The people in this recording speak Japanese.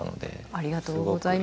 ありがとうございます。